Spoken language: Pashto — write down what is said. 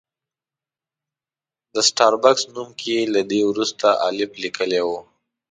د سټار بکس نوم کې یې له بي وروسته الف لیکلی و.